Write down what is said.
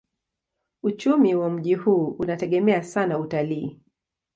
Uchumi wa mji huu unategemea sana utalii.